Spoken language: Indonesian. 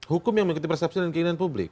hukum yang mengikuti persepsi dan keinginan publik